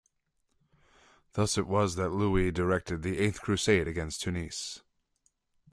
Thus it was that Louis directed the Eighth Crusade against Tunis.